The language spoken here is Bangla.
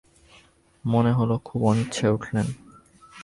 মনে হল খুব অনিচ্ছায় উঠলেন।